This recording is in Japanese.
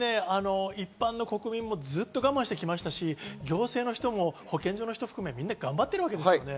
一般の国民もずっと我慢してきましたし、行政の人も保健所の人含め、みんな頑張ってるわけです。